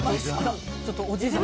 ちょっとおじいちゃん。